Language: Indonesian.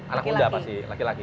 anak muda pasti laki laki